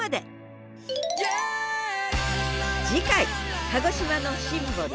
次回鹿児島のシンボル